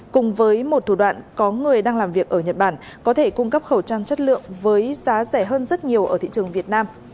cùng với một thủ đoạn có người đang làm việc ở nhật bản có thể cung cấp khẩu trang chất lượng với giá rẻ hơn rất nhiều ở thị trường việt nam